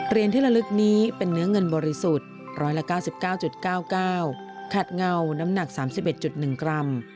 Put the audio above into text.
ที่ละลึกนี้เป็นเนื้อเงินบริสุทธิ์๑๙๙๙๙๙ขัดเงาน้ำหนัก๓๑๑กรัม